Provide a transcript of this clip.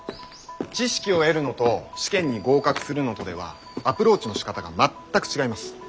知識を得るのと試験に合格するのとではアプローチのしかたが全く違います。